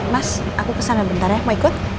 mas aku kesana bentar ya mau ikut